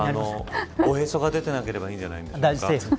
おへそが出てなければいいんじゃないですか。